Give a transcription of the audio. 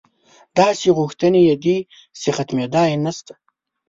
داسې غوښتنې یې دي چې ختمېدا یې نشته.